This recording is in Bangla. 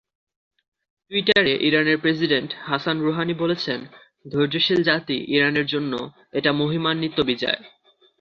টুইটারে ইরানের প্রেসিডেন্ট হাসান রুহানি বলেছেন, ধৈর্যশীল জাতি ইরানের জন্য এটা মহিমান্বিত বিজয়।